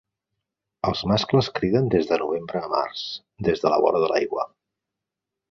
Els mascles criden des de novembre a març, des de la vora de l'aigua.